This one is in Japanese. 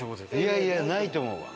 いやいやないと思うわ。